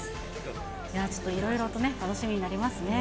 いやー、ちょっといろいろとね、楽しみになりますね。